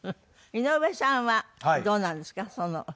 井上さんはどうなんですか？